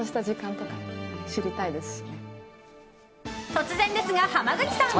突然ですが、濱口さん。